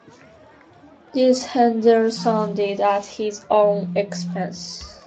This Henderson did at his own expense.